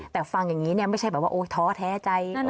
แต่ฟังอย่างนี้ไม่ใช่แบบว่าท้อแท้ใจ